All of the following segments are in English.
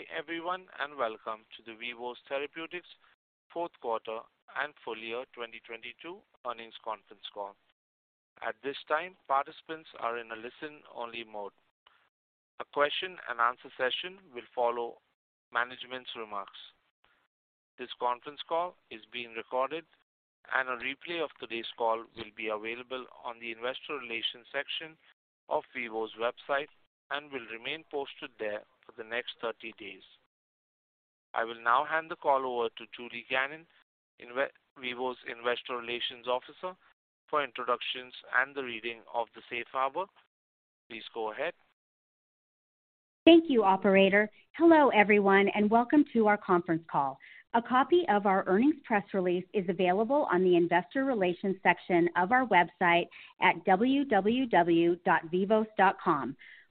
Hey everyone, welcome to the Vivos Therapeutics Fourth Quarter and Full Year 2022 Earnings Conference Call. At this time, participants are in a listen-only mode. A question and answer session will follow management's remarks. This conference call is being recorded, and a replay of today's call will be available on the investor relations section of Vivos website and will remain posted there for the next 30 days. I will now hand the call over to Julie Gannon, Vivos Investor Relations Officer, for introductions and the reading of the safe harbor. Please go ahead. Thank you, operator. Hello, everyone. Welcome to our conference call. A copy of our earnings press release is available on the investor relations section of our website at www.vivos.com.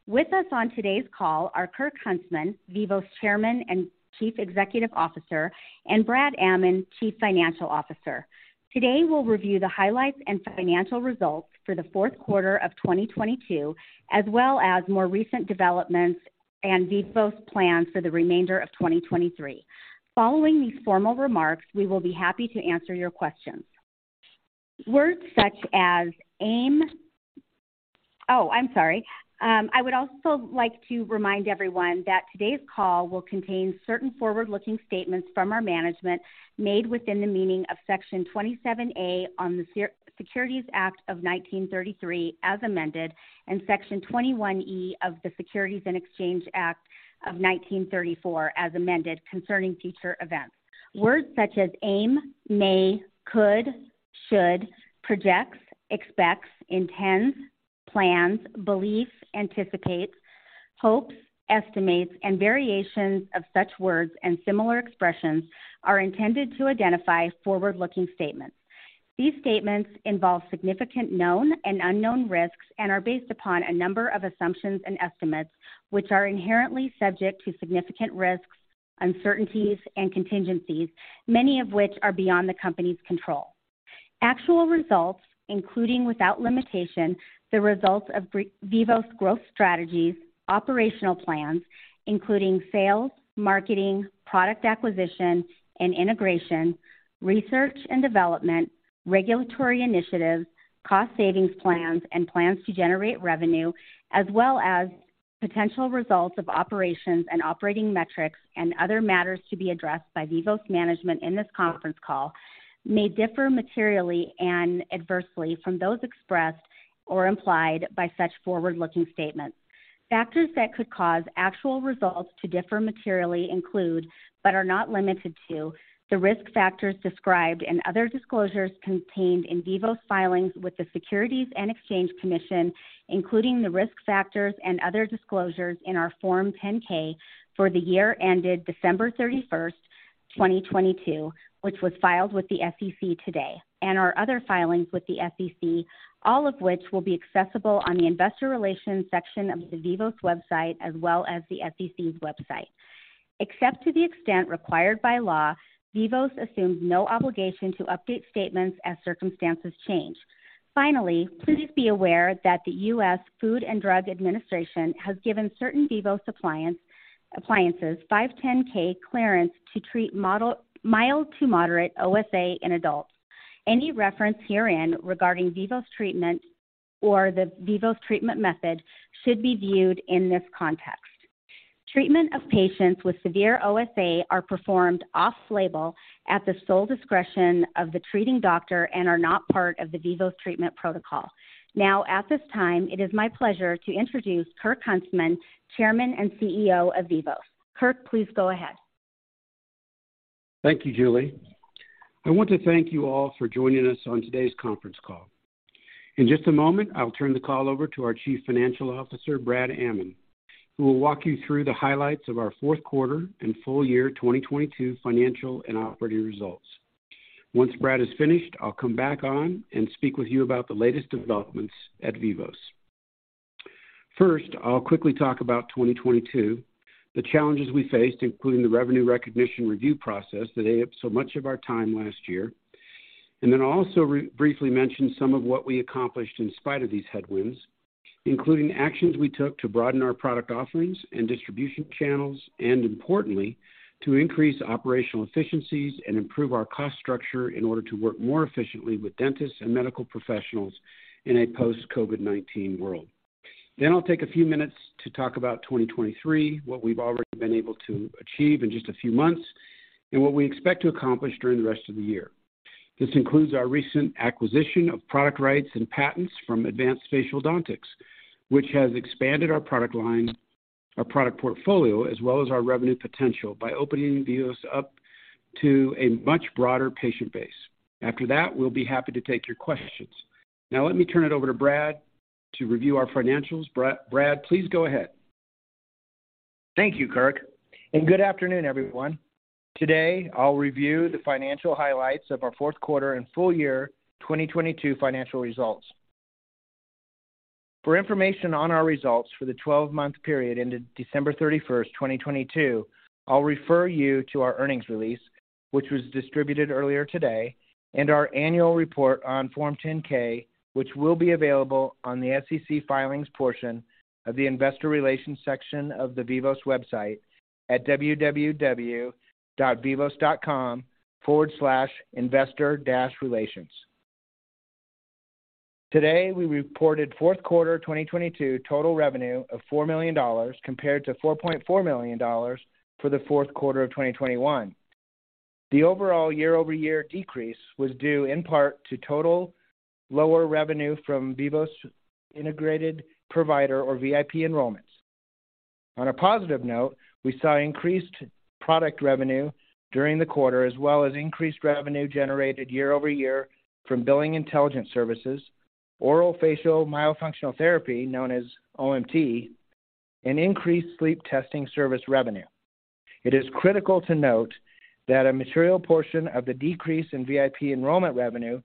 With us on today's call are Kirk Huntsman, Vivos Chairman and Chief Executive Officer, and Brad Amman, Chief Financial Officer. Today, we'll review the highlights and financial results for the fourth quarter of 2022, as well as more recent developments and Vivos plans for the remainder of 2023. Following these formal remarks, we will be happy to answer your questions. Oh, I'm sorry. I would also like to remind everyone that today's call will contain certain forward-looking statements from our management made within the meaning of Section 27A of the Securities Act of 1933, as amended, and Section 21E of the Securities Exchange Act of 1934, as amended, concerning future events. Words such as aim, may, could, should, projects, expects, intends, plans, believes, anticipates, hopes, estimates, and variations of such words and similar expressions are intended to identify forward-looking statements. These statements involve significant known and unknown risks and are based upon a number of assumptions and estimates, which are inherently subject to significant risks, uncertainties, and contingencies, many of which are beyond the company's control. Actual results, including without limitation, the results of Vivos growth strategies, operational plans, including sales, marketing, product acquisition, and integration, research and development, regulatory initiatives, cost savings plans, and plans to generate revenue, as well as potential results of operations and operating metrics and other matters to be addressed by Vivos management in this conference call may differ materially and adversely from those expressed or implied by such forward-looking statements. Factors that could cause actual results to differ materially include, but are not limited to, the risk factors described and other disclosures contained in Vivos filings with the Securities and Exchange Commission, including the risk factors and other disclosures in our Form 10-K for the year ended December 31st, 2022, which was filed with the SEC today, and our other filings with the SEC, all of which will be accessible on the investor relations section of the Vivos website as well as the SEC's website. Except to the extent required by law, Vivos assumes no obligation to update statements as circumstances change. Finally, please be aware that the US Food and Drug Administration has given certain Vivos appliances 510(k) clearance to treat mild to moderate OSA in adults. Any reference herein regarding Vivos treatment or the Vivos treatment method should be viewed in this context. Treatment of patients with severe OSA are performed off-label at the sole discretion of the treating doctor and are not part of the Vivos treatment protocol. At this time, it is my pleasure to introduce Kirk Huntsman, Chairman and CEO of Vivos. Kirk, please go ahead. Thank you, Julie. I want to thank you all for joining us on today's conference call. In just a moment, I will turn the call over to our Chief Financial Officer, Brad Amman, who will walk you through the highlights of our fourth quarter and full year 2022 financial and operating results. Once Brad is finished, I'll come back on and speak with you about the latest developments at Vivos. I'll quickly talk about 2022, the challenges we faced, including the revenue recognition review process that ate up so much of our time last year. I'll also re-briefly mention some of what we accomplished in spite of these headwinds, including actions we took to broaden our product offerings and distribution channels, importantly, to increase operational efficiencies and improve our cost structure in order to work more efficiently with dentists and medical professionals in a post COVID-19 world. I'll take a few minutes to talk about 2023, what we've already been able to achieve in just a few months, and what we expect to accomplish during the rest of the year. This includes our recent acquisition of product rights and patents from Advanced Facialdontics, LLC, which has expanded our product portfolio, as well as our revenue potential by opening Vivos up to a much broader patient base. After that, we'll be happy to take your questions. Let me turn it over to Brad to review our financials. Brad, please go ahead. Thank you, Kirk, and good afternoon, everyone. Today, I'll review the financial highlights of our fourth quarter and full year 2022 financial results. For information on our results for the 12-month period into December 31st, 2022, I'll refer you to our earnings release. Which was distributed earlier today, our annual report on Form 10-K, which will be available on the SEC Filings portion of the Vivos website at www.vivos.com/investor-relations. Today, we reported fourth quarter 2022 total revenue of $4 million compared to $4.4 million for the fourth quarter of 2021. The overall year-over-year decrease was due in part to total lower revenue from Vivos Integrated Provider or VIP enrollments. On a positive note, we saw increased product revenue during the quarter, as well as increased revenue generated year-over-year from billing intelligence services, Orofacial Myofunctional Therapy, known as OMT, and increased sleep testing service revenue. It is critical to note that a material portion of the decrease in VIP enrollment revenue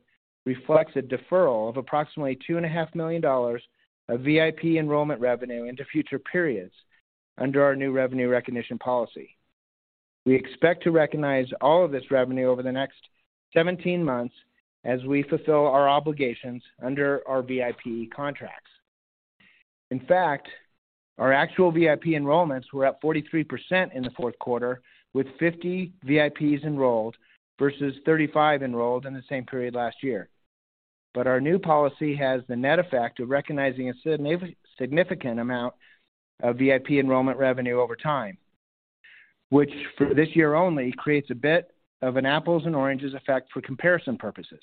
reflects a deferral of approximately two and a half million dollars of VIP enrollment revenue into future periods under our new revenue recognition policy. We expect to recognize all of this revenue over the next 17 months as we fulfill our obligations under our VIP contracts. Our actual VIP enrollments were up 43% in the fourth quarter, with 50 VIPs enrolled versus 35 enrolled in the same period last year. Our new policy has the net effect of recognizing a significant amount of VIP enrollment revenue over time, which for this year only creates a bit of an apples and oranges effect for comparison purposes.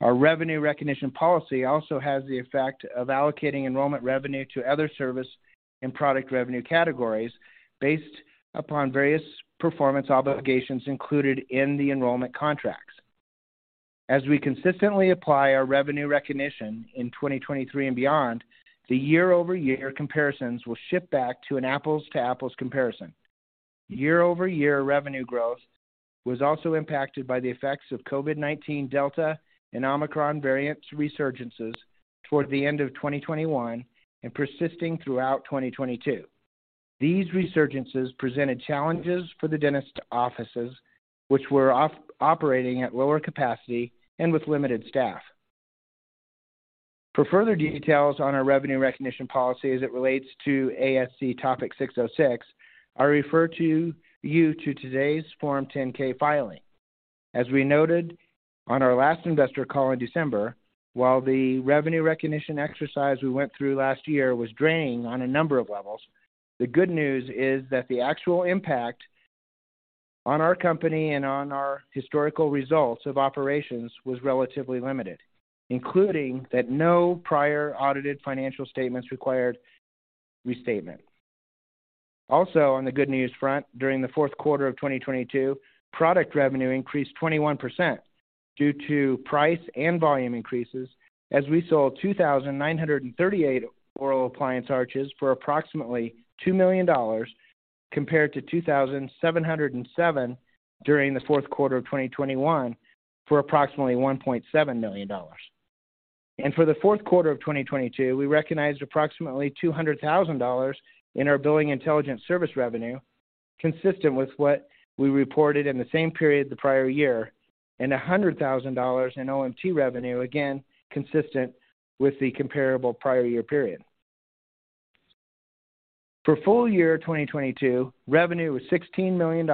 Our revenue recognition policy also has the effect of allocating enrollment revenue to other service and product revenue categories based upon various performance obligations included in the enrollment contracts. We consistently apply our revenue recognition in 2023 and beyond, the year-over-year comparisons will shift back to an apples to apples comparison. Year-over-year revenue growth was also impacted by the effects of COVID-19 Delta and Omicron variant resurgences toward the end of 2021 and persisting throughout 2022. These resurgences presented challenges for the dentist offices, which were operating at lower capacity and with limited staff. For further details on our revenue recognition policy as it relates to ASC Topic 606, I refer to you to today's Form 10-K filing. We noted on our last investor call in December, while the revenue recognition exercise we went through last year was draining on a number of levels, the good news is that the actual impact on our company and on our historical results of operations was relatively limited, including that no prior audited financial statements required restatement. Also on the good news front, during the fourth quarter of 2022, product revenue increased 21% due to price and volume increases, as we sold 2,938 oral appliance arches for approximately $2 million compared to 2,707 during the fourth quarter of 2021 for approximately $1.7 million. For the fourth quarter of 2022, we recognized approximately $200,000 in our billing intelligence service revenue, consistent with what we reported in the same period the prior year, and $100,000 in OMT revenue, again, consistent with the comparable prior year period. For full year 2022, revenue was $16 million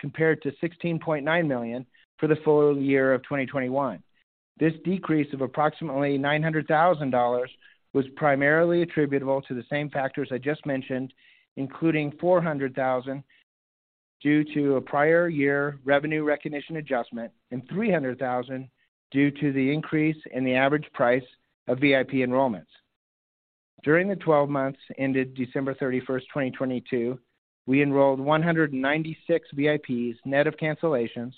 compared to $16.9 million for the full year of 2021. This decrease of approximately $900,000 was primarily attributable to the same factors I just mentioned, including $400,000 due to a prior year revenue recognition adjustment and $300,000 due to the increase in the average price of VIP enrollments. During the 12 months ended December 31st, 2022, we enrolled 196 VIPs, net of cancellations,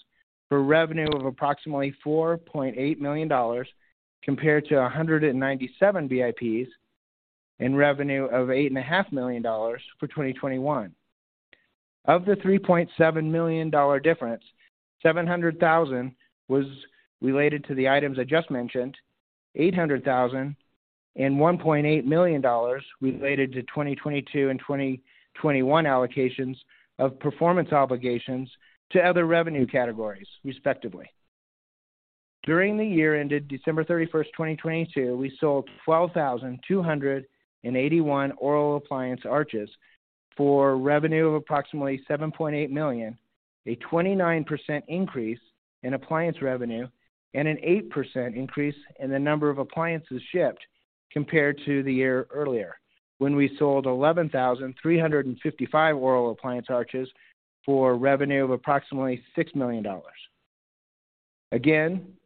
for revenue of approximately $4.8 million compared to 197 VIPs and revenue of $8.5 million for 2021. Of the $3.7 million difference, $700,000 was related to the items I just mentioned, $800,000 and $1.8 million related to 2022 and 2021 allocations of performance obligations to other revenue categories, respectively. During the year ended December 31st, 2022, we sold 12,281 oral appliance arches for revenue of approximately $7.8 million, a 29% increase in appliance revenue and an 8% increase in the number of appliances shipped compared to the year earlier when we sold 11,355 oral appliance arches for revenue of approximately $6 million.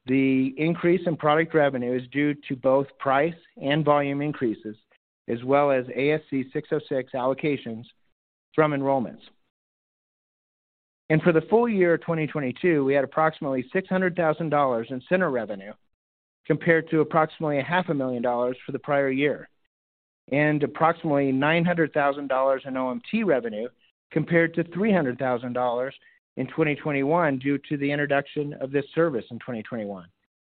The increase in product revenue is due to both price and volume increases as well as ASC 606 allocations from enrollments. For the full year 2022, we had approximately $600,000 in center revenue compared to approximately a half a million dollars for the prior year, and approximately $900,000 in OMT revenue compared to $300,000 in 2021 due to the introduction of this service in 2021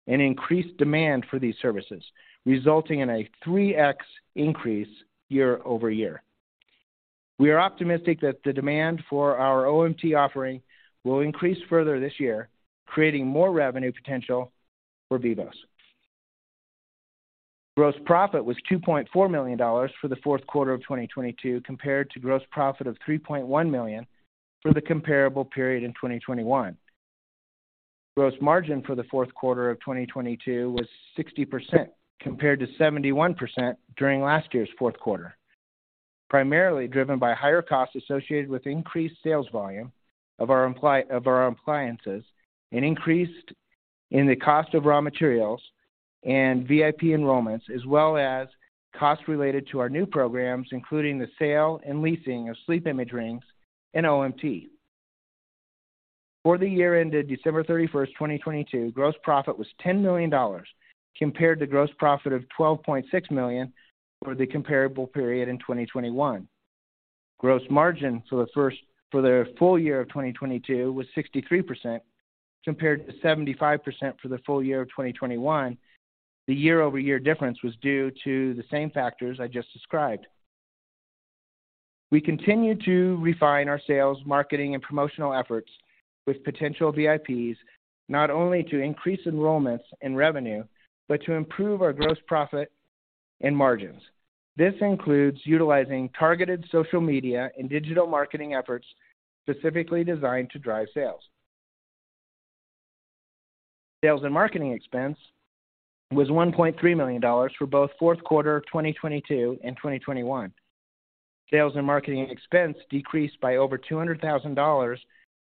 and increased demand for these services, resulting in a 3x increase year-over-year. We are optimistic that the demand for our OMT offering will increase further this year, creating more revenue potential for Vivos. Gross profit was $2.4 million for the Q4 of 2022 compared to gross profit of $3.1 million for the comparable period in 2021. Gross margin for the fourth quarter of 2022 was 60% compared to 71% during last year's fourth quarter, primarily driven by higher costs associated with increased sales volume of our of our appliances, an increased in the cost of raw materials and VIP enrollments, as well as costs related to our new programs, including the sale and leasing of SleepImage rings and OMT. For the year ended December 31st, 2022, gross profit was $10 million compared to gross profit of $12.6 million for the comparable period in 2021. Gross margin for the full year of 2022 was 63% compared to 75% for the full year of 2021. The year-over-year difference was due to the same factors I just described. We continue to refine our sales, marketing, and promotional efforts with potential VIPs, not only to increase enrollments and revenue, but to improve our gross profit and margins. This includes utilizing targeted social media and digital marketing efforts specifically designed to drive sales. Sales and marketing expense was $1.3 million for both fourth quarter 2022 and 2021. Sales and marketing expense decreased by over $200,000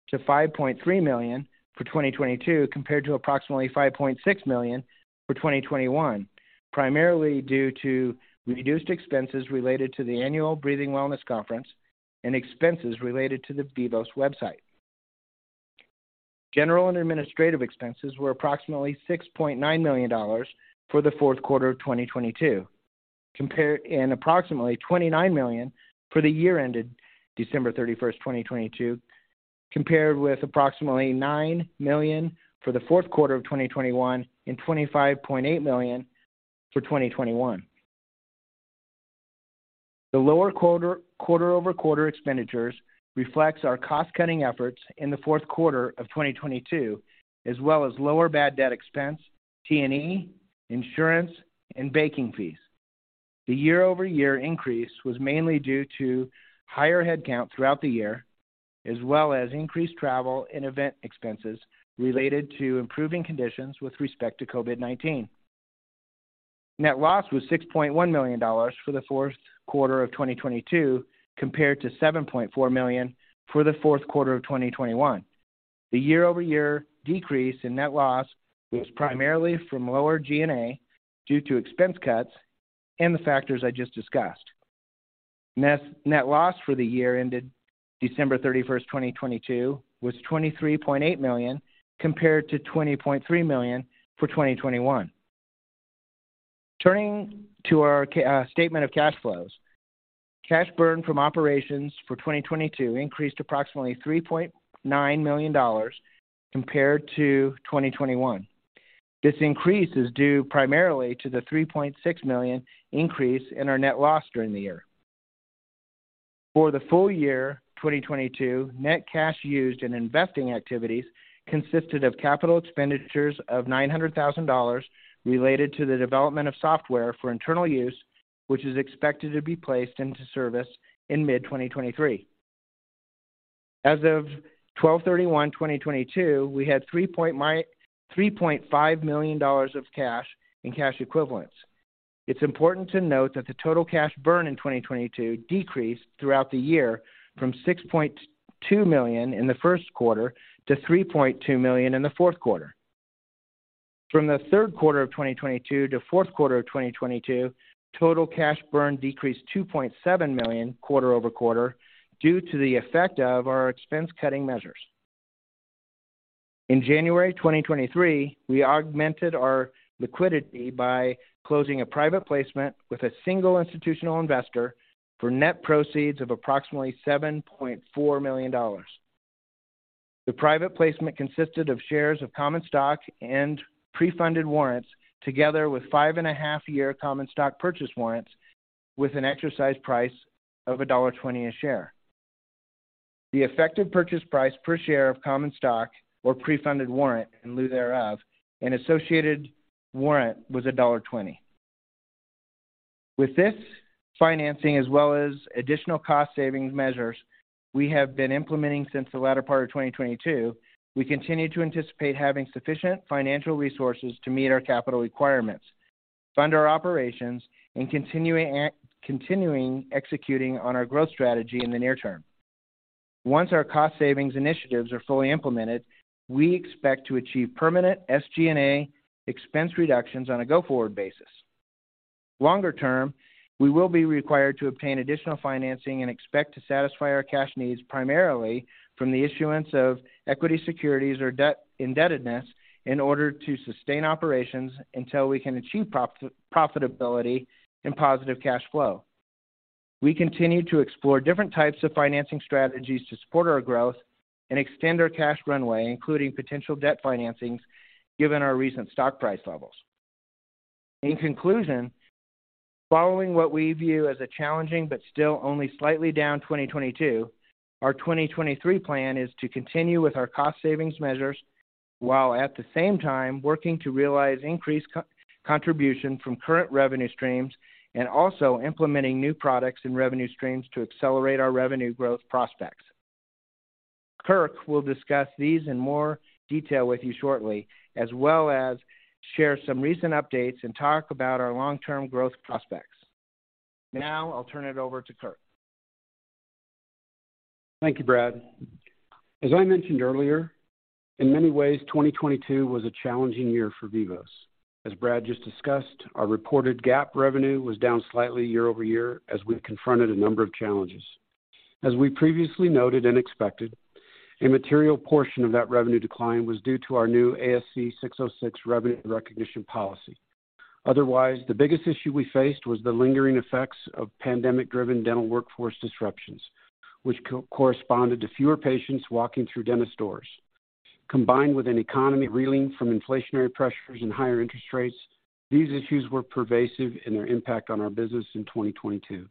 to $5.3 million for 2022 compared to approximately $5.6 million for 2021, primarily due to reduced expenses related to the annual Breathing Wellness Conference and expenses related to the Vivos website. General and administrative expenses were approximately $6.9 million for the fourth quarter of 2022 compared and approximately $29 million for the year ended December 31, 2022, compared with approximately $9 million for the fourth quarter of 2021 and $25.8 million for 2021. The lower quarter-over-quarter expenditures reflects our cost-cutting efforts in the fourth quarter of 2022, as well as lower bad debt expense, T&E, insurance, and banking fees. The year-over-year increase was mainly due to higher headcount throughout the year, as well as increased travel and event expenses related to improving conditions with respect to COVID-19. Net loss was $6.1 million for the fourth quarter of 2022 compared to $7.4 million for the fourth quarter of 2021. The year-over-year decrease in net loss was primarily from lower G&A due to expense cuts and the factors I just discussed. Net loss for the year ended December 31st, 2022 was $23.8 million compared to $20.3 million for 2021. Turning to our statement of cash flows. Cash burn from operations for 2022 increased approximately $3.9 million compared to 2021. This increase is due primarily to the $3.6 million increase in our net loss during the year. For the full year 2022, net cash used in investing activities consisted of capital expenditures of $900,000 related to the development of software for internal use, which is expected to be placed into service in mid-2023. As of 12/31/2022, we had $3.5 million of cash and cash equivalents. It's important to note that the total cash burn in 2022 decreased throughout the year from $6.2 million in the first quarter to $3.2 million in the fourth quarter. From the third quarter of 2022 to fourth quarter of 2022, total cash burn decreased $2.7 million quarter-over-quarter due to the effect of our expense cutting measures. In January 2023, we augmented our liquidity by closing a private placement with a single institutional investor for net proceeds of approximately $7.4 million. The private placement consisted of shares of common stock and pre-funded warrants together with five and a half year common stock purchase warrants with an exercise price of $1.20 a share. The effective purchase price per share of common stock or pre-funded warrant, in lieu thereof, and associated warrant was $1.20. With this financing as well as additional cost savings measures we have been implementing since the latter part of 2022, we continue to anticipate having sufficient financial resources to meet our capital requirements, fund our operations, and continuing executing on our growth strategy in the near term. Once our cost savings initiatives are fully implemented, we expect to achieve permanent SG&A expense reductions on a go-forward basis. Longer term, we will be required to obtain additional financing and expect to satisfy our cash needs primarily from the issuance of equity securities or indebtedness in order to sustain operations until we can achieve profitability and positive cash flow. We continue to explore different types of financing strategies to support our growth and extend our cash runway, including potential debt financings given our recent stock price levels. In conclusion, following what we view as a challenging but still only slightly down 2022, our 2023 plan is to continue with our cost savings measures while at the same time working to realize increased co-contribution from current revenue streams and also implementing new products and revenue streams to accelerate our revenue growth prospects. Kirk will discuss these in more detail with you shortly, as well as share some recent updates and talk about our long-term growth prospects. Now I'll turn it over to Kirk. Thank you, Brad. As I mentioned earlier, in many ways, 2022 was a challenging year for Vivos. As Brad just discussed, our reported GAAP revenue was down slightly year-over-year as we confronted a number of challenges. As we previously noted and expected, a material portion of that revenue decline was due to our new ASC 606 revenue recognition policy. Otherwise, the biggest issue we faced was the lingering effects of pandemic-driven dental workforce disruptions, which co-corresponded to fewer patients walking through dentist doors. Combined with an economy reeling from inflationary pressures and higher interest rates, these issues were pervasive in their impact on our business in 2022.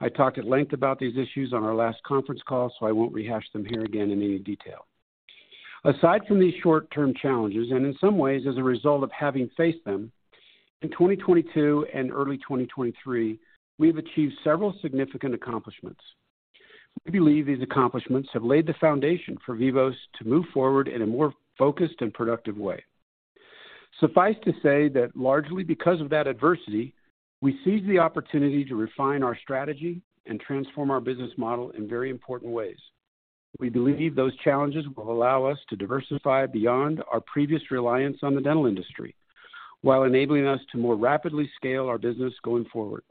I talked at length about these issues on our last conference call, I won't rehash them here again in any detail. Aside from these short-term challenges, and in some ways as a result of having faced them, in 2022 and early 2023, we've achieved several significant accomplishments. We believe these accomplishments have laid the foundation for Vivos to move forward in a more focused and productive way. Suffice to say that largely because of that adversity, we seized the opportunity to refine our strategy and transform our business model in very important ways. We believe those challenges will allow us to diversify beyond our previous reliance on the dental industry while enabling us to more rapidly scale our business going forward.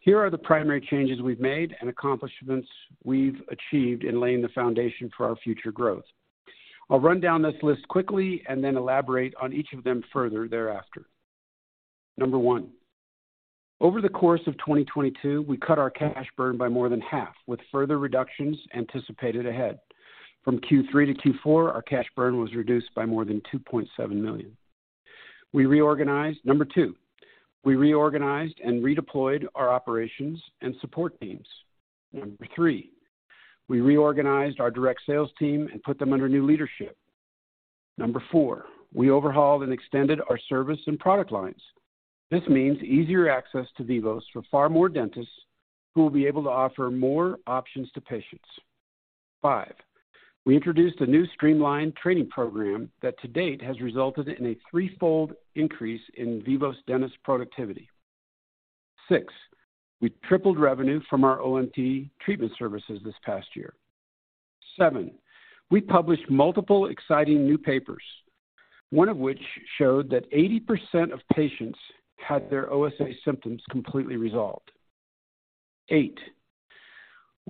Here are the primary changes we've made and accomplishments we've achieved in laying the foundation for our future growth. I'll run down this list quickly and then elaborate on each of them further thereafter. Number one, over the course of 2022, we cut our cash burn by more than half, with further reductions anticipated ahead. From Q3 to Q4, our cash burn was reduced by more than $2.7 million. Number two, we reorganized and redeployed our operations and support teams. Number three, we reorganized our direct sales team and put them under new leadership. Number four, we overhauled and extended our service and product lines. This means easier access to Vivos for far more dentists who will be able to offer more options to patients. Five, we introduced a new streamlined training program that to date has resulted in a threefold increase in Vivos dentist productivity. Six, we tripled revenue from our OMT treatment services this past year. Seven, we published multiple exciting new papers, one of which showed that 80% of patients had their OSA symptoms completely resolved. Eight,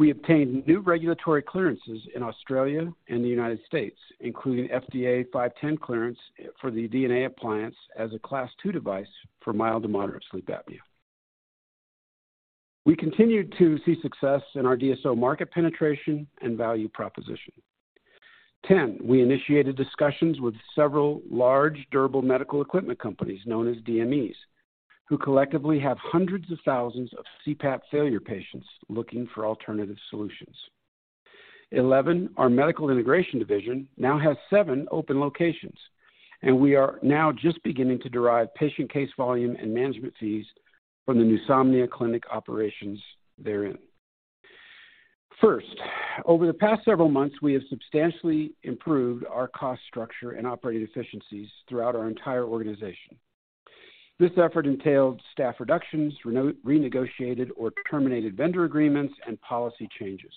we obtained new regulatory clearances in Australia and the United States, including FDA 510(k) clearance for the DNA appliance as a Class II device for mild to moderate sleep apnea. We continued to see success in our DSO market penetration and value proposition. 10, we initiated discussions with several large durable medical equipment companies, known as DMEs, who collectively have hundreds of thousands of CPAP failure patients looking for alternative solutions. 11, our Medical Integration Division now has seven open locations, and we are now just beginning to derive patient case volume and management fees from the clinic operations therein. Over the past several months, we have substantially improved our cost structure and operating efficiencies throughout our entire organization. This effort entailed staff reductions, renegotiated or terminated vendor agreements, and policy changes.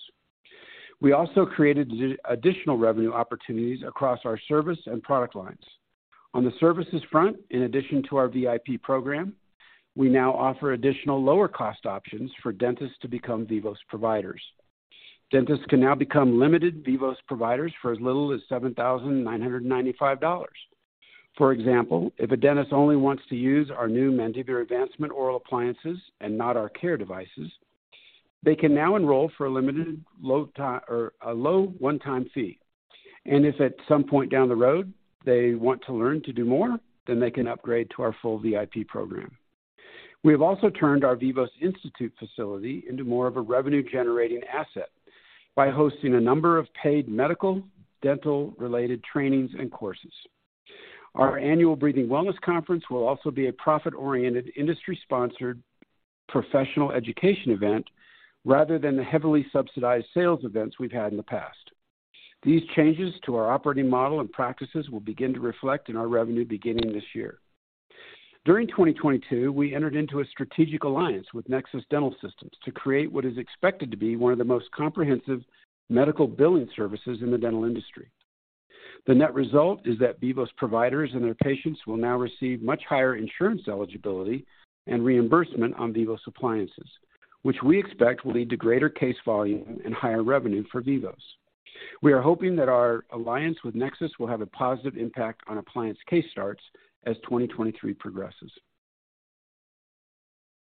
We also created additional revenue opportunities across our service and product lines. On the services front, in addition to our VIP program, we now offer additional lower-cost options for dentists to become Vivos providers. Dentists can now become limited Vivos providers for as little as $7,995. For example, if a dentist only wants to use our new mandibular advancement oral appliances and not our CARE devices, they can now enroll for a limited low one-time fee. If at some point down the road they want to learn to do more, they can upgrade to our full VIP program. We have also turned our Vivos Institute facility into more of a revenue-generating asset by hosting a number of paid medical, dental-related trainings and courses. Our annual Breathing Wellness Conference will also be a profit-oriented, industry-sponsored professional education event rather than the heavily subsidized sales events we've had in the past. These changes to our operating model and practices will begin to reflect in our revenue beginning this year. During 2022, we entered into a strategic alliance with Nexus Dental Systems to create what is expected to be one of the most comprehensive medical billing services in the dental industry. The net result is that Vivos providers and their patients will now receive much higher insurance eligibility and reimbursement on Vivos appliances, which we expect will lead to greater case volume and higher revenue for Vivos. We are hoping that our alliance with Nexus will have a positive impact on appliance case starts as 2023 progresses.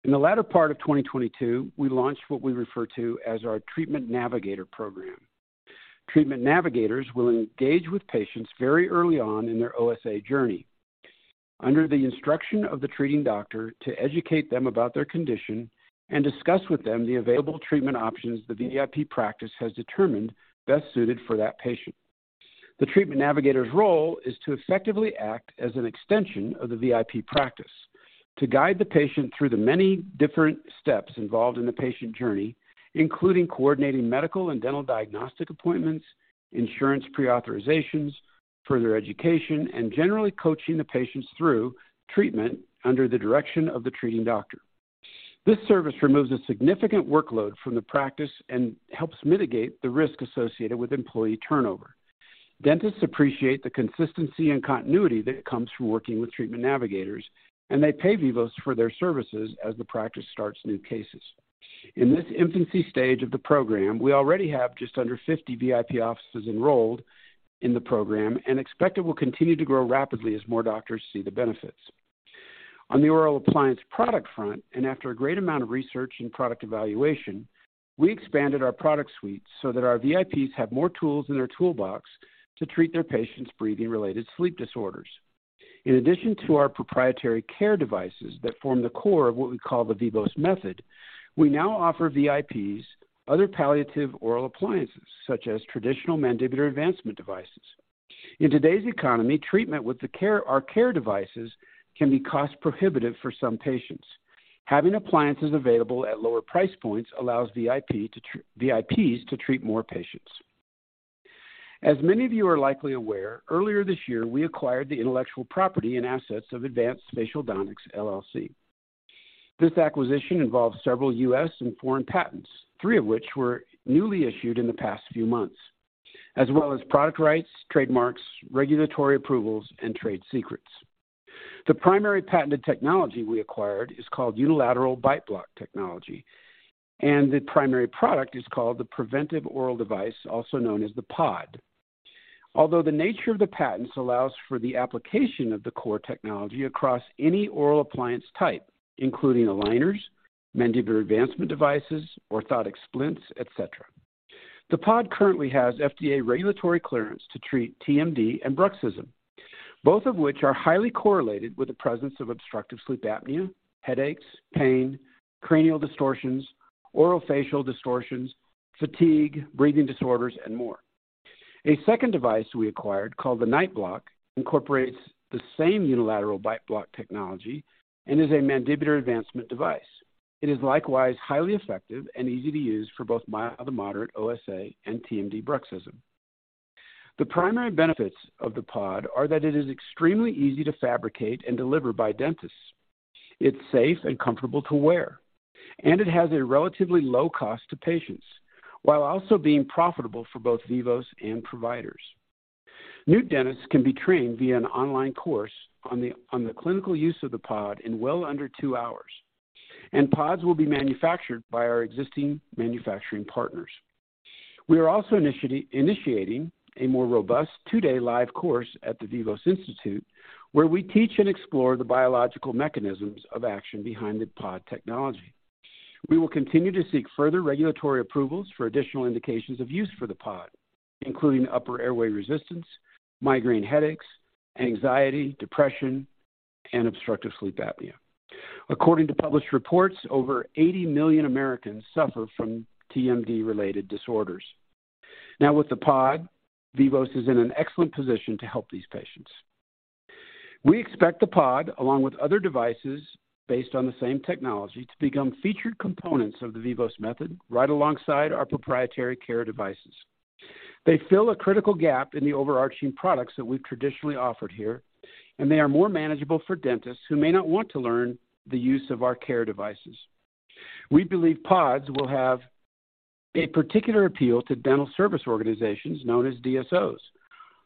In the latter part of 2022, we launched what we refer to as our Treatment Navigator program. Treatment Navigators will engage with patients very early on in their OSA journey. Under the instruction of the treating doctor to educate them about their condition and discuss with them the available treatment options the VIP practice has determined best suited for that patient. The Treatment Navigator's role is to effectively act as an extension of the VIP practice to guide the patient through the many different steps involved in the patient journey, including coordinating medical and dental diagnostic appointments, insurance pre-authorizations, further education, and generally coaching the patients through treatment under the direction of the treating doctor. This service removes a significant workload from the practice and helps mitigate the risk associated with employee turnover. Dentists appreciate the consistency and continuity that comes from working with Treatment Navigators, and they pay Vivos for their services as the practice starts new cases. In this infancy stage of the program, we already have just under 50 VIP offices enrolled in the program and expect it will continue to grow rapidly as more doctors see the benefits. After a great amount of research and product evaluation, we expanded our product suite so that our VIPs have more tools in their toolbox to treat their patients' breathing-related sleep disorders. In addition to our proprietary CARE devices that form the core of what we call The Vivos Method, we now offer VIPs other palliative oral appliances, such as traditional mandibular advancement devices. In today's economy, treatment with our CARE devices can be cost-prohibitive for some patients. Having appliances available at lower price points allows VIPs to treat more patients. As many of you are likely aware, earlier this year, we acquired the intellectual property and assets of Advanced Facialdontics, LLC. This acquisition involves several U.S. and foreign patents, three of which were newly issued in the past few months, as well as product rights, trademarks, regulatory approvals, and trade secrets. The primary patented technology we acquired is called Unilateral Bite Block Technology, and the primary product is called the Preventive Oral Device, also known as the POD. Although the nature of the patents allows for the application of the core technology across any oral appliance type, including aligners, mandibular advancement devices, orthotic splints, et cetera. The POD currently has FDA regulatory clearance to treat TMD and bruxism, both of which are highly correlated with the presence of obstructive sleep apnea, headaches, pain, cranial distortions, oral facial distortions, fatigue, breathing disorders, and more. A second device we acquired, called the NightBlocks, incorporates the same Unilateral Bite Block Technology and is a mandibular advancement device. It is likewise highly effective and easy to use for both mild to moderate OSA and TMD bruxism. The primary benefits of the POD are that it is extremely easy to fabricate and deliver by dentists. It's safe and comfortable to wear, and it has a relatively low cost to patients while also being profitable for both Vivos and providers. New dentists can be trained via an online course on the clinical use of the POD in well under two hours, and PODs will be manufactured by our existing manufacturing partners. We are also initiating a more robust two-day live course at The Vivos Institute, where we teach and explore the biological mechanisms of action behind the POD technology. We will continue to seek further regulatory approvals for additional indications of use for the POD, including upper airway resistance, migraine headaches, anxiety, depression, and obstructive sleep apnea. According to published reports, over 80 million Americans suffer from TMD-related disorders. Now, with the POD, Vivos is in an excellent position to help these patients. We expect the POD, along with other devices based on the same technology, to become featured components of The Vivos Method right alongside our proprietary CARE devices. They fill a critical gap in the overarching products that we've traditionally offered here, and they are more manageable for dentists who may not want to learn the use of our CARE devices. We believe PODs will have a particular appeal to dental service organizations known as DSOs,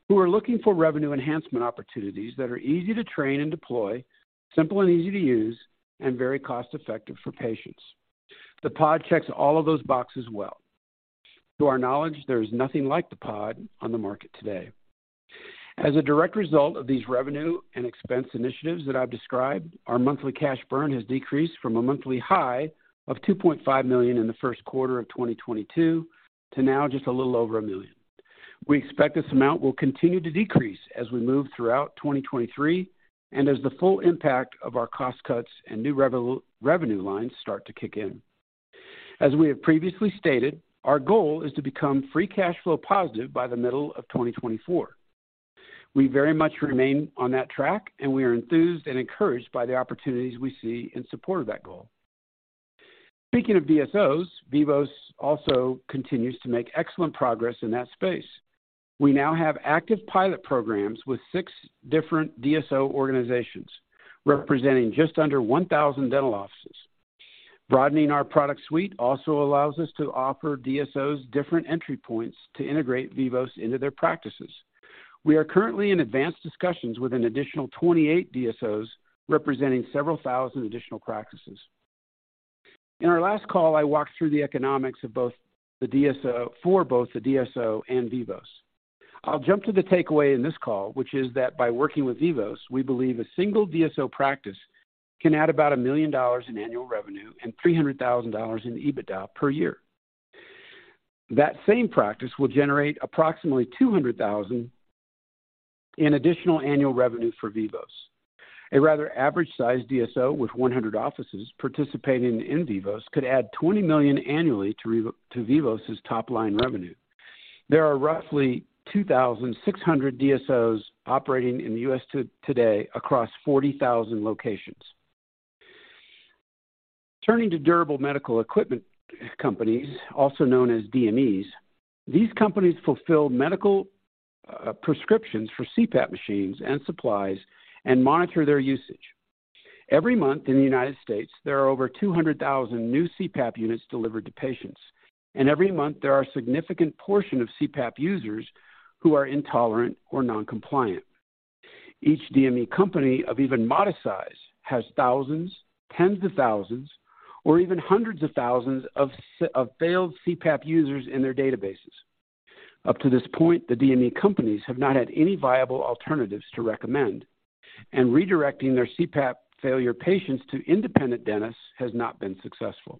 who are looking for revenue enhancement opportunities that are easy to train and deploy, simple and easy to use, and very cost-effective for patients. The POD checks all of those boxes well. To our knowledge, there's nothing like the POD on the market today. As a direct result of these revenue and expense initiatives that I've described, our monthly cash burn has decreased from a monthly high of $2.5 million in the first quarter of 2022 to now just a little over $1 million. We expect this amount will continue to decrease as we move throughout 2023 and as the full impact of our cost cuts and new revenue lines start to kick in. As we have previously stated, our goal is to become free cash flow positive by the middle of 2024. We very much remain on that track. We are enthused and encouraged by the opportunities we see in support of that goal. Speaking of DSOs, Vivos also continues to make excellent progress in that space. We now have active pilot programs with six different DSO organizations representing just under 1,000 dental offices. Broadening our product suite also allows us to offer DSOs different entry points to integrate Vivos into their practices. We are currently in advanced discussions with an additional 28 DSOs, representing several thousand additional practices. In our last call, I walked through the economics of both the DSO for both the DSO and Vivos. I'll jump to the takeaway in this call, which is that by working with Vivos, we believe a single DSO practice can add about $1 million in annual revenue and $300,000 in EBITDA per year. That same practice will generate approximately $200,000 in additional annual revenue for Vivos. A rather average-sized DSO with 100 offices participating in Vivos could add $20 million annually to Vivos's top-line revenue. There are roughly 2,600 DSOs operating in the US today across 40,000 locations. Turning to durable medical equipment companies, also known as DMEs, these companies fulfill medical prescriptions for CPAP machines and supplies and monitor their usage. Every month in the United States, there are over 200,000 new CPAP units delivered to patients. Every month there are significant portion of CPAP users who are intolerant or non-compliant. Each DME company of even modest size has thousands, tens of thousands, or even hundreds of thousands of failed CPAP users in their databases. Up to this point, the DME companies have not had any viable alternatives to recommend. Redirecting their CPAP failure patients to independent dentists has not been successful.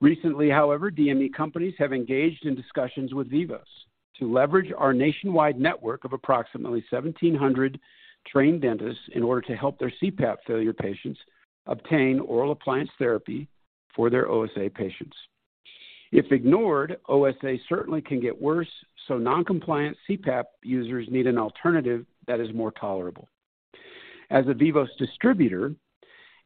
Recently, however, DME companies have engaged in discussions with Vivos to leverage our nationwide network of approximately 1,700 trained dentists in order to help their CPAP failure patients obtain oral appliance therapy for their OSA patients. If ignored, OSA certainly can get worse. Non-compliant CPAP users need an alternative that is more tolerable. As a Vivos distributor,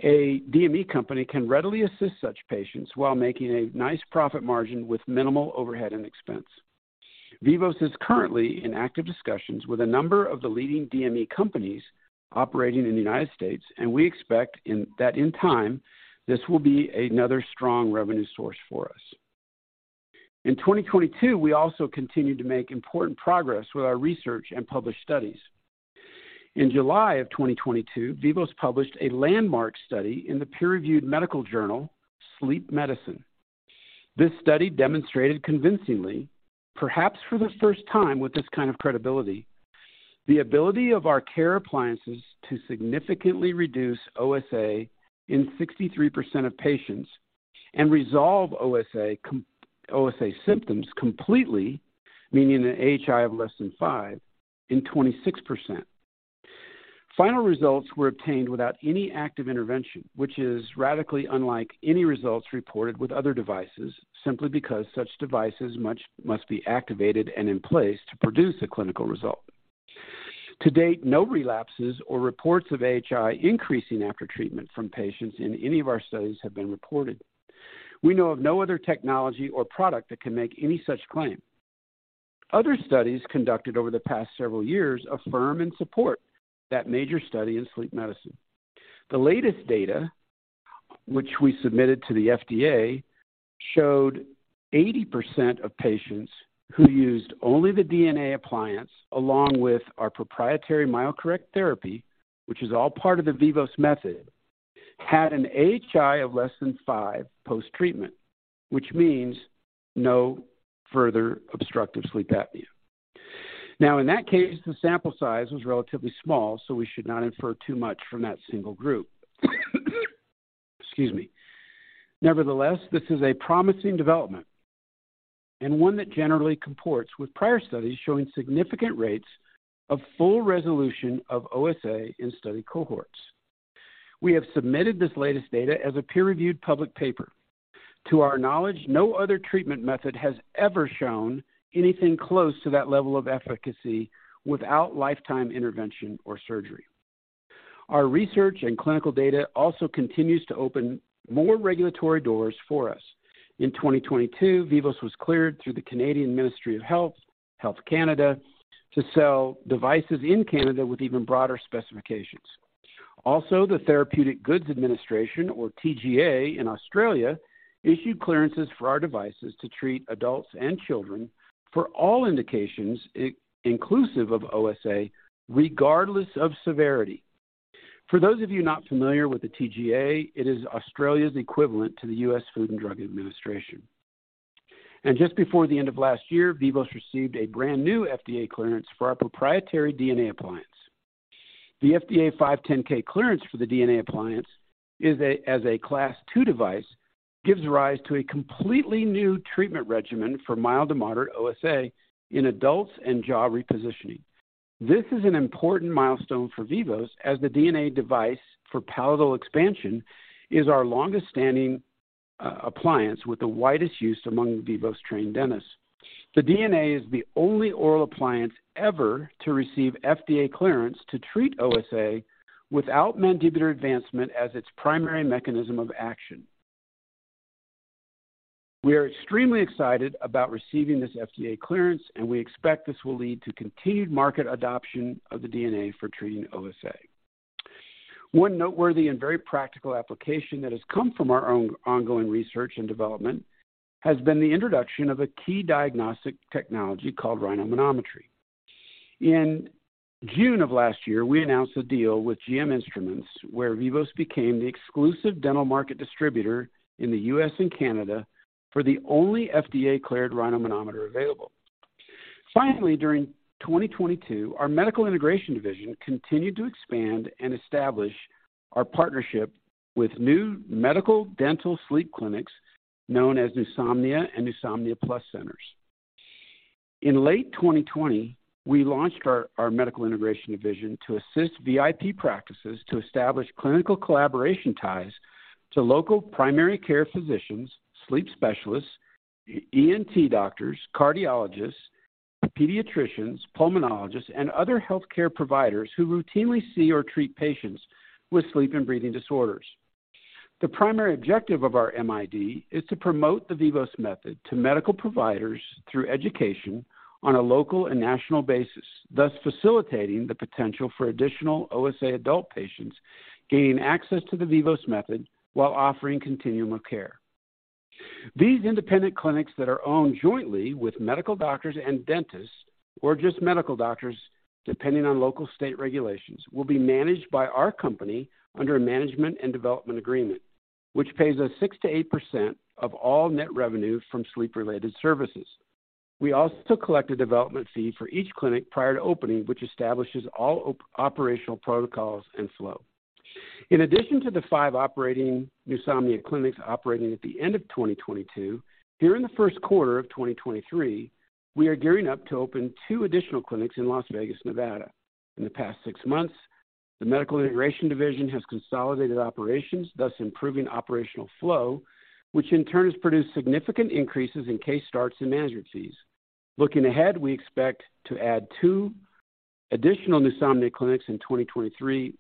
a DME company can readily assist such patients while making a nice profit margin with minimal overhead and expense. Vivos is currently in active discussions with a number of the leading DME companies operating in the United States, and we expect that in time, this will be another strong revenue source for us. In 2022, we also continued to make important progress with our research and publish studies. In July of 2022, Vivos published a landmark study in the peer-reviewed medical journal, Sleep Medicine. This study demonstrated convincingly, perhaps for the first time with this kind of credibility, the ability of our care appliances to significantly reduce OSA in 63% of patients and resolve OSA symptoms completely, meaning an AHI of less than five, in 26%. Final results were obtained without any active intervention, which is radically unlike any results reported with other devices, simply because such devices must be activated and in place to produce a clinical result. To date, no relapses or reports of AHI increasing after treatment from patients in any of our studies have been reported. We know of no other technology or product that can make any such claim. Other studies conducted over the past several years affirm and support that major study in Sleep Medicine. The latest data, which we submitted to the FDA, showed 80% of patients who used only the DNA appliance along with our proprietary MyoCorrect Therapy, which is all part of The Vivos Method, had an AHI of less than five post-treatment, which means no further obstructive sleep apnea. In that case, the sample size was relatively small, we should not infer too much from that single group. Excuse me. Nevertheless, this is a promising development and one that generally comports with prior studies showing significant rates of full resolution of OSA in study cohorts. We have submitted this latest data as a peer-reviewed public paper. To our knowledge, no other treatment method has ever shown anything close to that level of efficacy without lifetime intervention or surgery. Our research and clinical data also continues to open more regulatory doors for us. In 2022, Vivos was cleared through the Canadian Ministry of Health Canada, to sell devices in Canada with even broader specifications. The Therapeutic Goods Administration, or TGA, in Australia, issued clearances for our devices to treat adults and children for all indications, in-inclusive of OSA, regardless of severity. For those of you not familiar with the TGA, it is Australia's equivalent to the US Food and Drug Administration. Just before the end of last year, Vivos received a brand-new FDA clearance for our proprietary DNA appliance. The FDA 510(k) clearance for the DNA appliance as a Class II device, gives rise to a completely new treatment regimen for mild to moderate OSA in adults and jaw repositioning. This is an important milestone for Vivos as the DNA device for palatal expansion is our longest-standing appliance with the widest use among Vivos trained dentists. The DNA is the only oral appliance ever to receive FDA clearance to treat OSA without mandibular advancement as its primary mechanism of action. We are extremely excited about receiving this FDA clearance, and we expect this will lead to continued market adoption of the DNA for treating OSA. One noteworthy and very practical application that has come from our ongoing research and development has been the introduction of a key diagnostic technology called rhinomanometry. In June of last year, we announced a deal with GM Instruments where Vivos became the exclusive dental market distributor in the U.S. and Canada for the only FDA-cleared rhinomanometer available. During 2022, our Medical Integration Division continued to expand and establish our partnership with new medical dental sleep clinics known as Pneusomnia and Pneusomnia Plus centers. In late 2020, we launched our Medical Integration Division to assist VIP practices to establish clinical collaboration ties to local primary care physicians, sleep specialists, ENT doctors, cardiologists, pediatricians, pulmonologists, and other healthcare providers who routinely see or treat patients with sleep and breathing disorders. The primary objective of our MID is to promote The Vivos Method to medical providers through education on a local and national basis, thus facilitating the potential for additional OSA adult patients gaining access to The Vivos Method while offering continuum of care. These independent clinics that are owned jointly with medical doctors and dentists, or just medical doctors, depending on local state regulations, will be managed by our company under a management and development agreement, which pays us 6%-8% of all net revenue from sleep-related services. We also collect a development fee for each clinic prior to opening, which establishes all operational protocols and flow. In addition to the five operating Pneusomnia clinics operating at the end of 2022, during the first quarter of 2023, we are gearing up to open two additional clinics in Las Vegas, Nevada. In the past six months, the Medical Integration Division has consolidated operations, thus improving operational flow, which in turn has produced significant increases in case starts and management fees. Looking ahead, we expect to add two additional Pneusomnia clinics in 2023,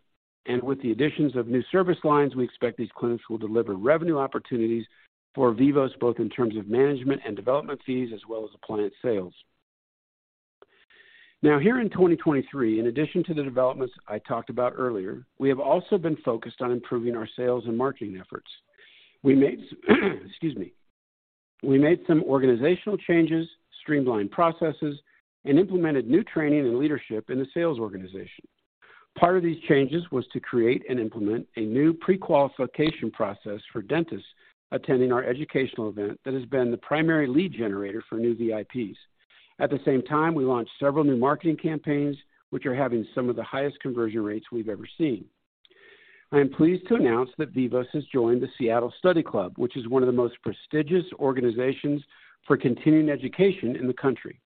and with the additions of new service lines, we expect these clinics will deliver revenue opportunities for Vivos, both in terms of management and development fees as well as appliance sales. Here in 2023, in addition to the developments I talked about earlier, we have also been focused on improving our sales and marketing efforts. Excuse me. We made some organizational changes, streamlined processes, and implemented new training and leadership in the sales organization. Part of these changes was to create and implement a new prequalification process for dentists attending our educational event that has been the primary lead generator for new VIPs. At the same time, we launched several new marketing campaigns, which are having some of the highest conversion rates we've ever seen. I am pleased to announce that Vivos has joined the Seattle Study Club, which is one of the most prestigious organizations for continuing education in the country.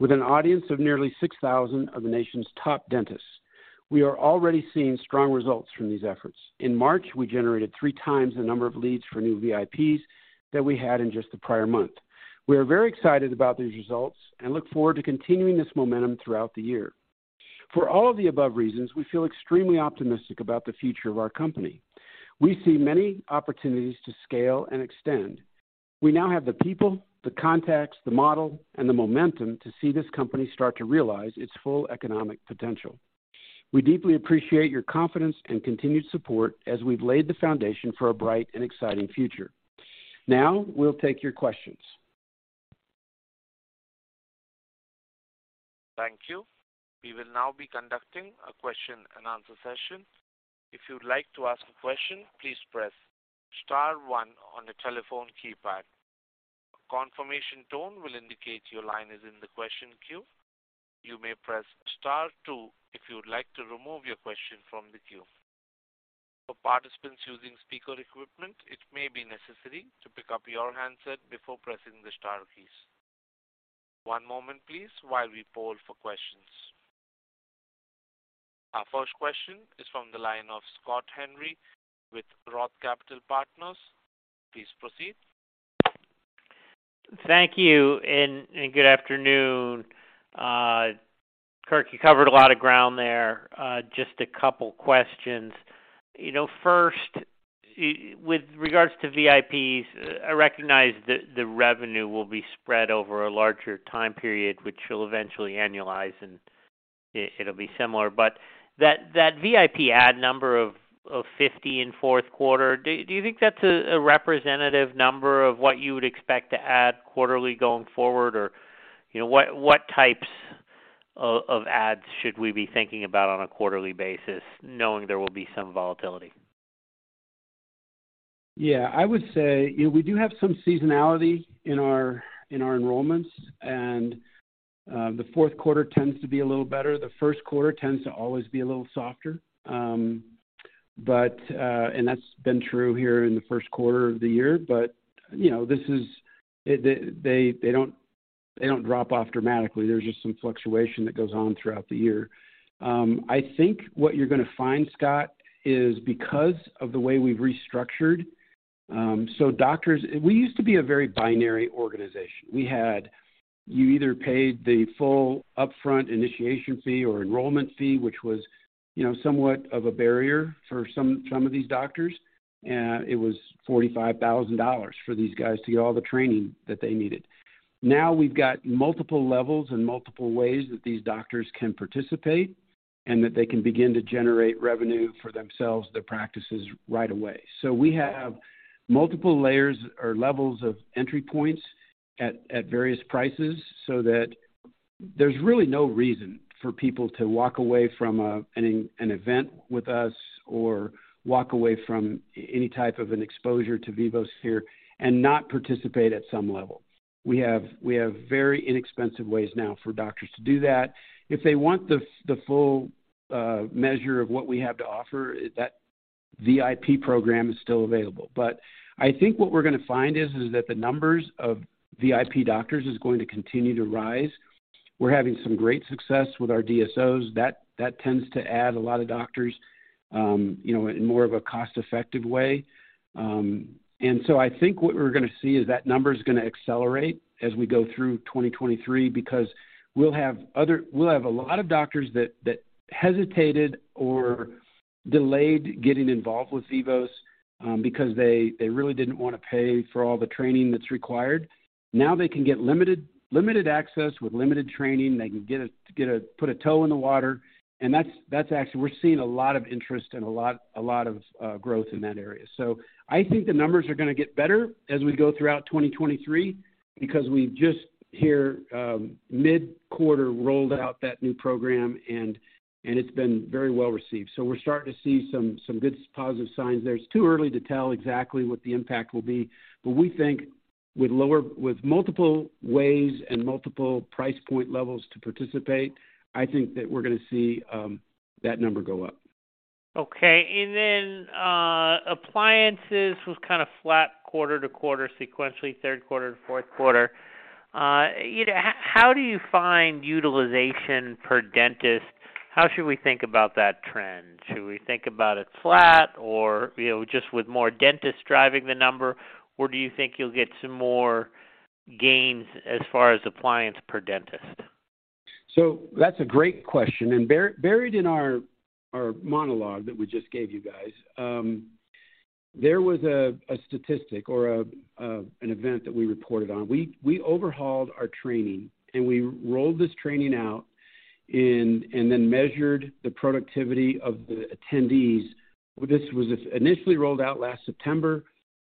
With an audience of nearly 6,000 of the nation's top dentists, we are already seeing strong results from these efforts. In March, we generated 3x the number of leads for new VIPs than we had in just the prior month. We are very excited about these results and look forward to continuing this momentum throughout the year. For all of the above reasons, we feel extremely optimistic about the future of our company. We see many opportunities to scale and extend. We now have the people, the contacts, the model, and the momentum to see this company start to realize its full economic potential. We deeply appreciate your confidence and continued support as we've laid the foundation for a bright and exciting future. We'll take your questions. Thank you. We will now be conducting a question and answer session. If you'd like to ask a question, please press star one on your telephone keypad. A confirmation tone will indicate your line is in the question queue. You may press star two if you would like to remove your question from the queue. For participants using speaker equipment, it may be necessary to pick up your handset before pressing the star keys. One moment, please, while we poll for questions. Our first question is from the line of Scott Henry with Roth Capital Partners. Please proceed. Thank you, good afternoon. Kirk, you covered a lot of ground there. Just a couple questions. You know, first, with regards to VIPs, I recognize that the revenue will be spread over a larger time period, which you'll eventually annualize and it'll be similar, but that VIP ad number of 50 in fourth quarter, do you think that's a representative number of what you would expect to add quarterly going forward? You know, what types of ads should we be thinking about on a quarterly basis, knowing there will be some volatility? I would say, you know, we do have some seasonality in our enrollments, and the fourth quarter tends to be a little better. The first quarter tends to always be a little softer. That's been true here in the first quarter of the year. You know, this is they don't drop off dramatically. There's just some fluctuation that goes on throughout the year. I think what you're gonna find, Scott, is because of the way we've restructured, We used to be a very binary organization. You either paid the full upfront initiation fee or enrollment fee, which was, you know, somewhat of a barrier for some of these doctors. It was $45,000 for these guys to get all the training that they needed. We've got multiple levels and multiple ways that these doctors can participate. That they can begin to generate revenue for themselves, their practices right away. We have multiple layers or levels of entry points at various prices that there's really no reason for people to walk away from an event with us or walk away from any type of an exposure to Vivos and not participate at some level. We have very inexpensive ways now for doctors to do that. If they want the full measure of what we have to offer, that VIP program is still available. I think what we're gonna find is that the numbers of VIP doctors is going to continue to rise. We're having some great success with our DSOs. That tends to add a lot of doctors, you know, in more of a cost-effective way. I think what we're gonna see is that number's gonna accelerate as we go through 2023 because we'll have a lot of doctors that hesitated or delayed getting involved with Vivos because they really didn't wanna pay for all the training that's required. Now they can get limited access with limited training. They can get a put a toe in the water, and we're seeing a lot of interest and a lot of growth in that area. I think the numbers are gonna get better as we go throughout 2023 because we just here mid-quarter rolled out that new program and it's been very well received. We're starting to see some good positive signs there. It's too early to tell exactly what the impact will be, but we think with multiple ways and multiple price point levels to participate, I think that we're gonna see that number go up. Okay, then, appliances was kind of flat quarter-to-quarter, sequentially third quarter and fourth quarter. You know, how do you find utilization per dentist? How should we think about that trend? Should we think about it flat or, you know, just with more dentists driving the number? Do you think you'll get some more gains as far as appliance per dentist? That's a great question. Buried in our monologue that we just gave you guys, there was a statistic or an event that we reported on. We overhauled our training, and we rolled this training out and then measured the productivity of the attendees. This was initially rolled out last September.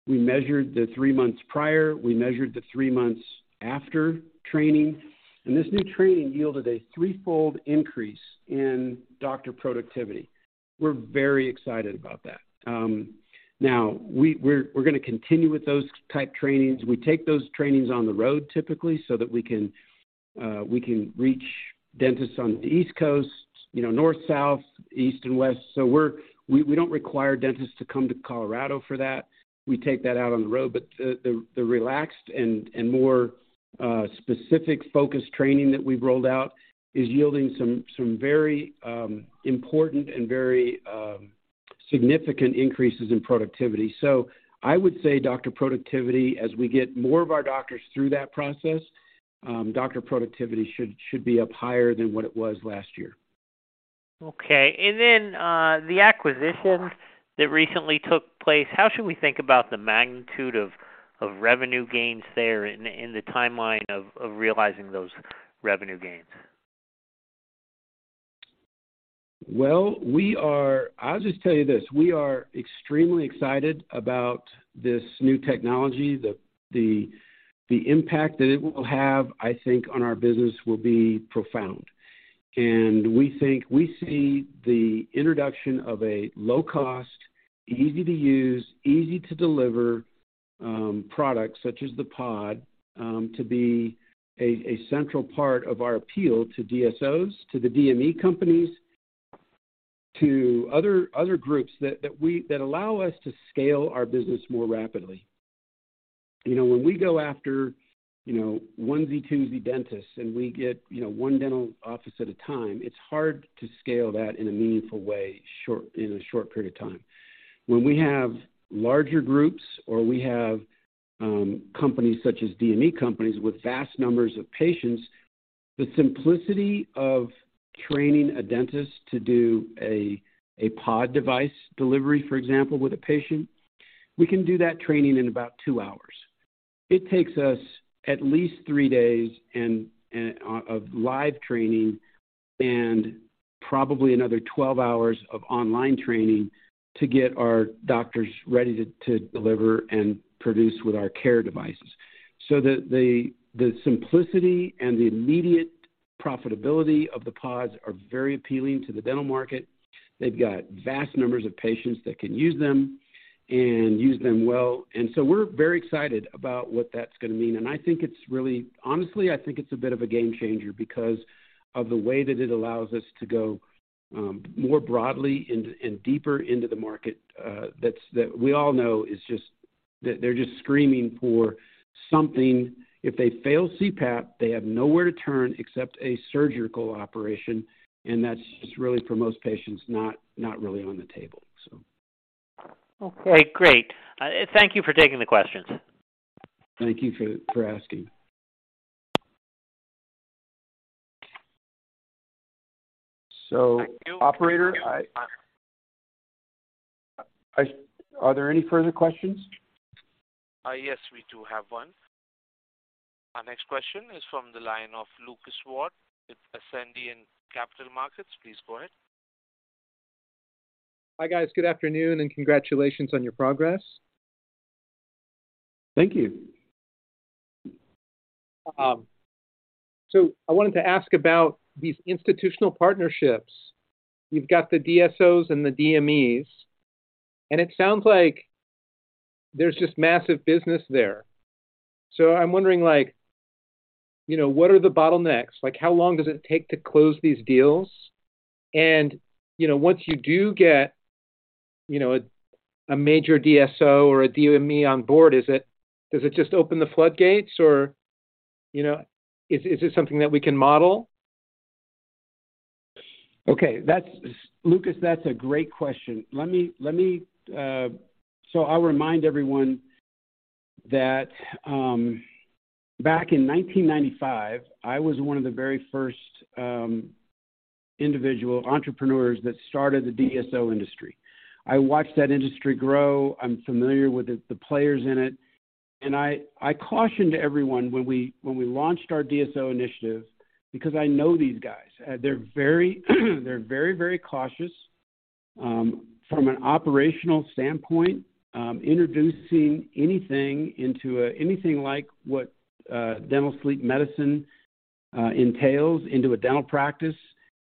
We measured the three months prior. We measured the three months after training. This new training yielded a three-fold increase in doctor productivity. We're very excited about that. Now we're gonna continue with those type trainings. We take those trainings on the road typically so that we can reach dentists on the East Coast, you know, north, south, east, and west. We don't require dentists to come to Colorado for that. We take that out on the road. The relaxed and more specific focused training that we've rolled out is yielding some very important and very significant increases in productivity. I would say doctor productivity as we get more of our doctors through that process, doctor productivity should be up higher than what it was last year. Okay, the acquisitions that recently took place, how should we think about the magnitude of revenue gains there in the timeline of realizing those revenue gains? Well, I'll just tell you this. We are extremely excited about this new technology. The impact that it will have, I think, on our business will be profound. And we think we see the introduction of a low-cost, easy-to-use, easy-to-deliver product such as the POD to be a central part of our appeal to DSOs, to the DME companies, to other groups that allow us to scale our business more rapidly. You know, when we go after, you know, one-Z, two-Z dentists, and we get, you know, one dental office at a time, it's hard to scale that in a meaningful way in a short period of time. When we have larger groups or we have companies such as DME companies with vast numbers of patients, the simplicity of training a dentist to do a POD device delivery, for example, with a patient, we can do that training in about two hours. It takes us at least three days of live training and probably another 12 hours of online training to get our doctors ready to deliver and produce with our CARE devices. The simplicity and the immediate profitability of the PODs are very appealing to the dental market. They've got vast numbers of patients that can use them and use them well. We're very excited about what that's gonna mean. I think it's really. Honestly, I think it's a bit of a game changer because of the way that it allows us to go more broadly and deeper into the market, that we all know is just screaming for something. If they fail CPAP, they have nowhere to turn except a surgical operation, and that's just really, for most patients, not really on the table, so. Okay, great. Thank you for taking the questions. Thank you for asking. operator, Are there any further questions? Yes, we do have one. Our next question is from the line of Lucas Ward with Ascendiant Capital Markets LLC. Please go ahead. Hi, guys. Good afternoon, and congratulations on your progress. Thank you. I wanted to ask about these institutional partnerships. You've got the DSOs and the DMEs, it sounds like there's just massive business there. I'm wondering, like, you know, what are the bottlenecks? Like, how long does it take to close these deals? You know, once you do get, you know, a major DSO or a DME on board, Does it just open the floodgates or, you know, is it something that we can model? Okay. Lucas, that's a great question. Let me. I'll remind everyone that, back in 1995, I was one of the very first individual entrepreneurs that started the DSO industry. I watched that industry grow. I'm familiar with the players in it, and I cautioned everyone when we launched our DSO initiative because I know these guys. They're very, very cautious. From an operational standpoint, introducing anything like what dental sleep medicine entails into a dental practice,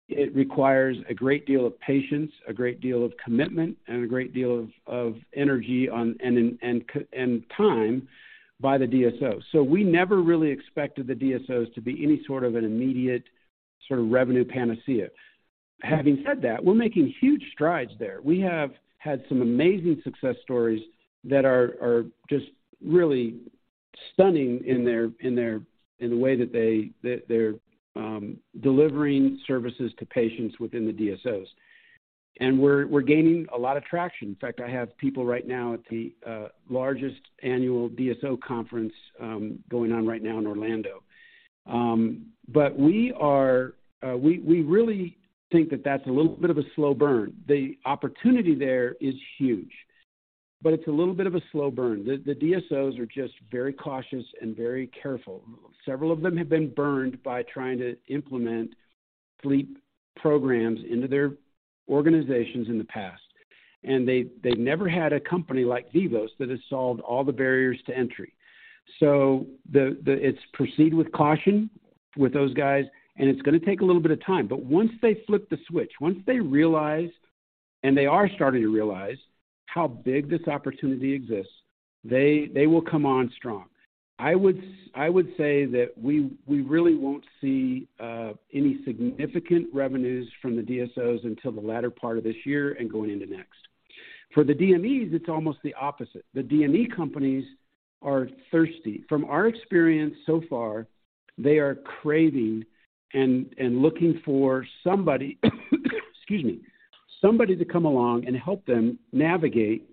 it requires a great deal of patience, a great deal of commitment, and a great deal of energy and time by the DSO. We never really expected the DSOs to be any sort of an immediate sort of revenue panacea. Having said that, we're making huge strides there. We have had some amazing success stories that are just really stunning in their, in the way that they're delivering services to patients within the DSOs. We're gaining a lot of traction. In fact, I have people right now at the largest annual DSO conference, going on right now in Orlando. We are, we really think that that's a little bit of a slow burn. The opportunity there is huge, but it's a little bit of a slow burn. The DSOs are just very cautious and very careful. Several of them have been burned by trying to implement sleep programs into their organizations in the past. They've never had a company like Vivos that has solved all the barriers to entry. It's proceed with caution with those guys, and it's going to take a little bit of time. Once they flip the switch, once they realize, and they are starting to realize how big this opportunity exists, they will come on strong. I would say that we really won't see any significant revenues from the DSOs until the latter part of this year and going into next. The DMEs, it's almost the opposite. The DME companies are thirsty. From our experience so far, they are craving and looking for somebody, excuse me, somebody to come along and help them navigate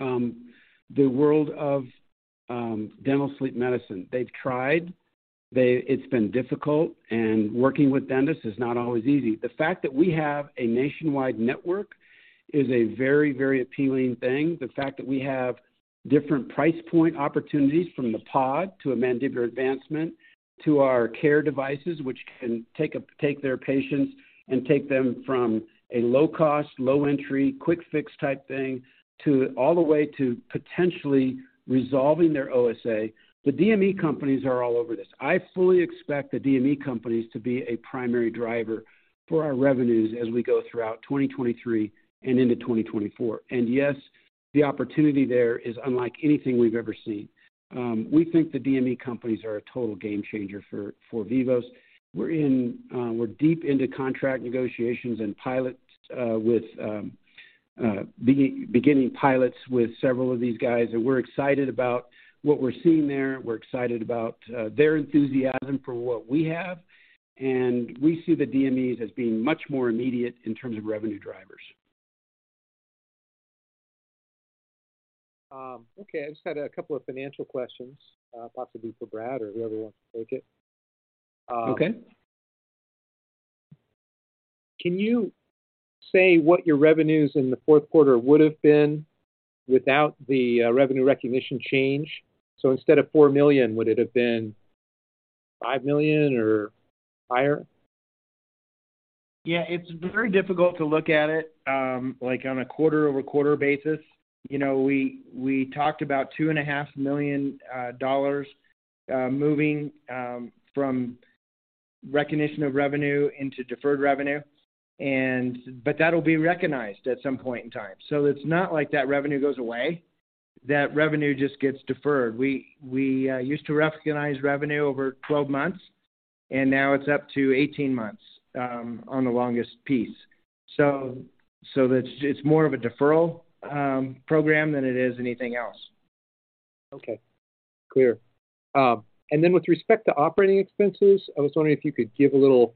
the world of dental sleep medicine. They've tried. It's been difficult, and working with dentists is not always easy. The fact that we have a nationwide network is a very appealing thing. The fact that we have different price point opportunities from the POD to a mandibular advancement to our CARE devices, which can take their patients and take them from a low cost, low entry, quick fix type thing, to all the way to potentially resolving their OSA. The DME companies are all over this. I fully expect the DME companies to be a primary driver for our revenues as we go throughout 2023 and into 2024. Yes, the opportunity there is unlike anything we've ever seen. We think the DME companies are a total game changer for Vivos. We're in, we're deep into contract negotiations and pilots, with beginning pilots with several of these guys. We're excited about what we're seeing there. We're excited about their enthusiasm for what we have. We see the DMEs as being much more immediate in terms of revenue drivers. Okay. I just had a couple of financial questions, possibly for Brad or whoever wants to take it. Okay. Can you say what your revenues in the fourth quarter would have been without the revenue recognition change? Instead of $4 million, would it have been $5 million or higher? It's very difficult to look at it, like, on a quarter-over-quarter basis. You know, we talked about two and a half million dollars moving from recognition of revenue into deferred revenue. That'll be recognized at some point in time. It's not like that revenue goes away. That revenue just gets deferred. We used to recognize revenue over 12 months, and now it's up to 18 months on the longest piece. That it's more of a deferral program than it is anything else. Okay. Clear. With respect to operating expenses, I was wondering if you could give a little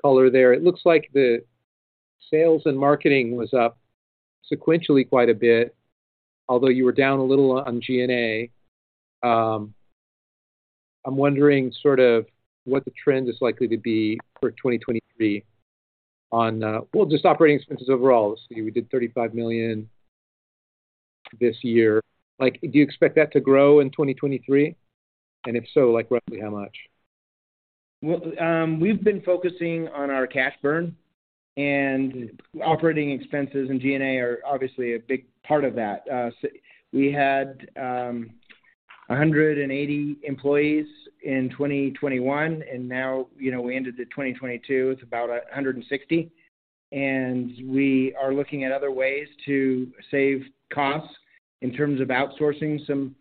color there. It looks like the sales and marketing was up sequentially quite a bit, although you were down a little on G&A. I'm wondering sort of what the trend is likely to be for 2023 on. Well, just operating expenses overall. We did $35 million this year. Like, do you expect that to grow in 2023? If so, like, roughly how much? Well, we've been focusing on our cash burn, and operating expenses and G&A are obviously a big part of that. We had 180 employees in 2021, and now, you know, we ended 2022 with about 160. We are looking at other ways to save costs in terms of outsourcing some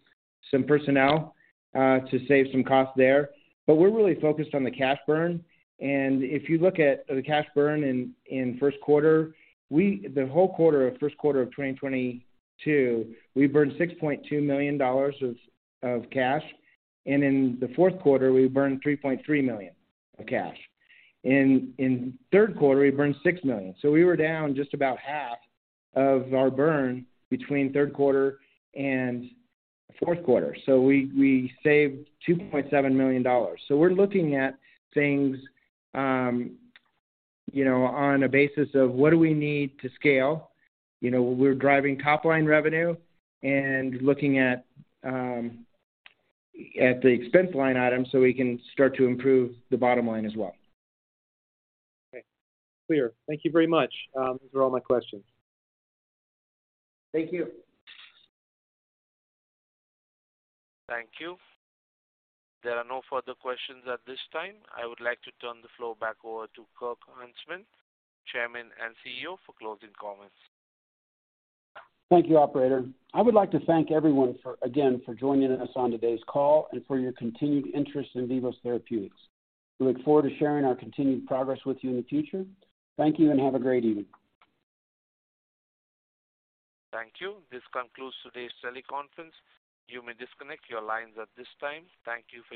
personnel to save some costs there. We're really focused on the cash burn. If you look at the cash burn in first quarter, the whole quarter of first quarter of 2022, we burned $6.2 million of cash. In the fourth quarter, we burned $3.3 million of cash. In third quarter, we burned $6 million. We were down just about half of our burn between third quarter and fourth quarter. We saved $2.7 million. We're looking at things, you know, on a basis of what do we need to scale. You know, we're driving top-line revenue and looking at the expense line items so we can start to improve the bottom line as well. Okay. Clear. Thank you very much. These are all my questions. Thank you. Thank you. There are no further questions at this time. I would like to turn the floor back over to Kirk Huntsman, Chairman and CEO, for closing comments. Thank you, operator. I would like to thank everyone for, again, for joining us on today's call and for your continued interest in Vivos Therapeutics. We look forward to sharing our continued progress with you in the future. Thank you and have a great evening. Thank you. This concludes today's teleconference. You may disconnect your lines at this time. Thank you for your participation.